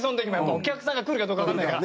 お客さんが来るかどうかわかんないから。